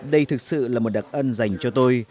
đây thực sự là một đặc ân dành cho tôi